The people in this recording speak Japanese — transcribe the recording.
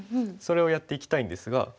それをやっていきたいんですが。